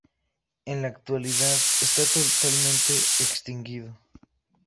En la actualidad está totalmente extinguido.